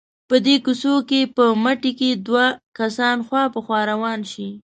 په دې کوڅو کې په مټې که دوه کسان خوا په خوا روان شي.